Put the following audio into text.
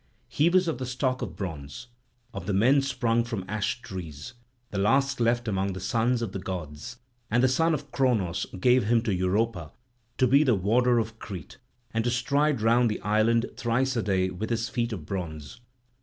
He was of the stock of bronze, of the men sprung from ash trees, the last left among the sons of the gods; and the son of Cronos gave him to Europa to be the warder of Crete and to stride round the island thrice a day with his feet of bronze.